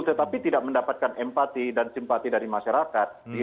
tetapi tidak mendapatkan empati dan simpati dari masyarakat